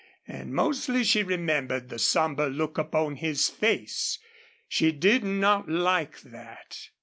And mostly she remembered the somber look upon his face. She did not like that.